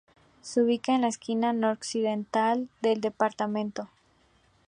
Se ubica en la esquina noroccidental del departamento.